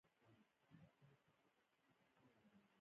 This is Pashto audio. د سیند پر شنه ټټر مزلونه کوي